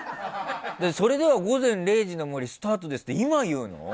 それでは「午前０時の森」スタートですって今、言うの？